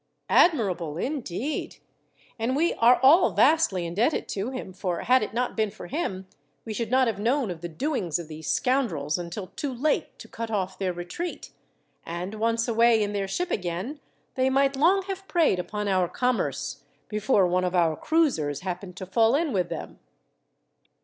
"Admirable, indeed! And we are all vastly indebted to him, for had it not been for him, we should not have known of the doings of these scoundrels until too late to cut off their retreat; and, once away in their ship again, they might long have preyed upon our commerce, before one of our cruisers happened to fall in with them.